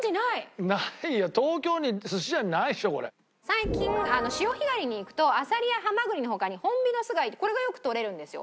最近潮干狩りに行くとアサリやハマグリの他にホンビノス貝これがよくとれるんですよ。